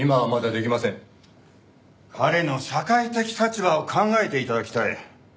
彼の社会的立場を考えて頂きたい。